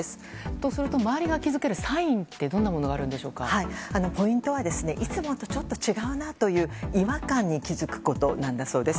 とすると周りが気付けるサインってポイントはいつもとちょっと違うなという違和感に気づくことなんだそうです。